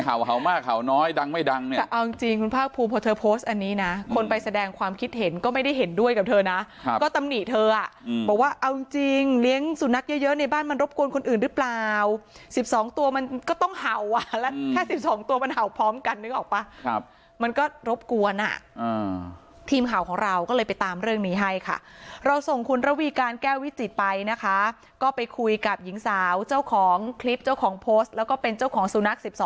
ห่าวห่าวมากห่าวน้อยดังไม่ดังเนี่ยเอาจริงคุณภาคภูมิเพราะเธอโพสต์อันนี้นะคนไปแสดงความคิดเห็นก็ไม่ได้เห็นด้วยกับเธอนะก็ตำหนิเธออ่ะบอกว่าเอาจริงเลี้ยงสุนัขเยอะในบ้านมันรบกวนคนอื่นหรือเปล่า๑๒ตัวมันก็ต้องห